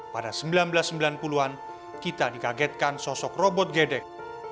pada seribu sembilan ratus sembilan puluh an kita dikagetkan sosok robot gedek